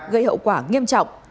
gây hậu quả nghiêm trọng